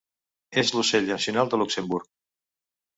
És l'ocell nacional de Luxemburg.